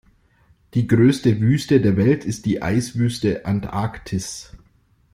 Die größte Wüste der Welt ist die Eiswüste Antarktis.